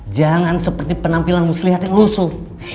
jangan seperti penampilanmu selihat yang rusuh